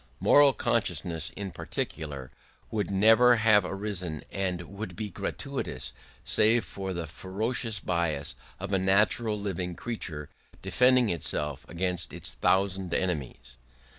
Moral consciousness in particular would never have arisen and would be gratuitous, save for the ferocious bias of a natural living creature, defending itself against its thousand enemies.